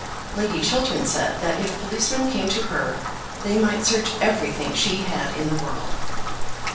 Lady Chiltern said that if policemen came to her, they might search everything she had in the world.